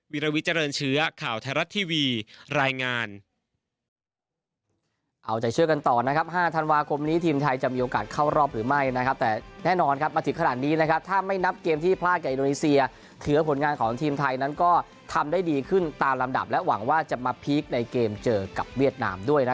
วิลวิเจริญเชื้อข่าวไทยรัฐทีวีรายงาน